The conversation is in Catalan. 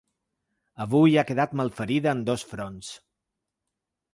Avui ha quedat malferida en dos fronts.